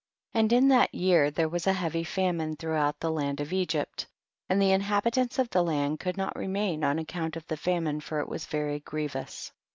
And in that year there was a lieavy famine throughout the land of Canaan, and the inhabitants of the land could not remain on account of the famine for it was very grievous.